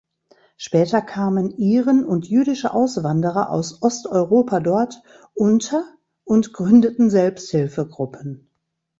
Später kamen Iren und jüdische Auswanderer aus Osteuropa dort unter und gründeten Selbsthilfegruppen.